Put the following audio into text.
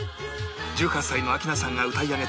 １８歳の明菜さんが歌い上げた